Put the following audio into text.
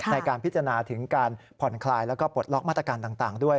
ในการพิจารณาถึงการผ่อนคลายแล้วก็ปลดล็อกมาตรการต่างด้วย